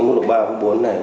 ở mức độ ba mức độ bốn này